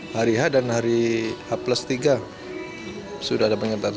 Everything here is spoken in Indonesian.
hari h dan hari h plus tiga sudah ada penyertaan